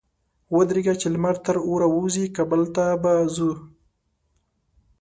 ودرېږه! چې لمر تر اوره ووزي؛ کابل ته به ځو.